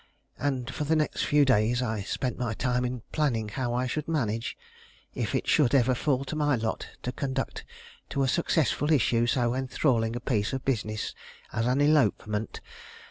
And for the next few days I spent my time in planning how I should manage, if it should ever fall to my lot to conduct to a successful issue so enthralling a piece of business as an elopement.